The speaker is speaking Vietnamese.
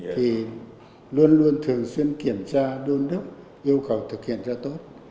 thì luôn luôn thường xuyên kiểm tra đôn đúc yêu cầu thực hiện cho tốt